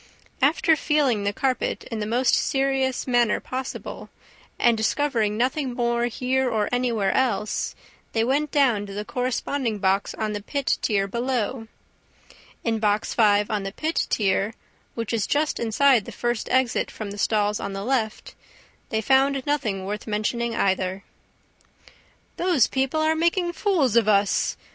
After, feeling the carpet in the most serious manner possible, and discovering nothing more here or anywhere else, they went down to the corresponding box on the pit tier below. In Box Five on the pit tier, which is just inside the first exit from the stalls on the left, they found nothing worth mentioning either. "Those people are all making fools of us!"